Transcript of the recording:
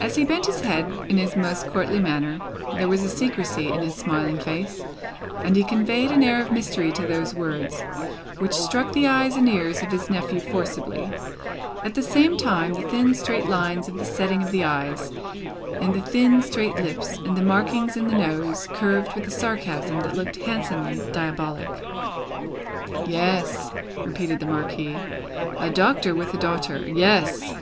As he bent his head in his most courtly manner, there was a secrecy in his smiling face, and he conveyed an air of mystery to those words, which struck the eyes and ears of his nephew forcibly. At the same time, the thin straight lines of the setting of the eyes, and the thin straight lips, and the markings in the nose, curved with a sarcasm that looked handsomely diabolic. "Yes," repeated the Marquis. "A Doctor with a daughter. Yes.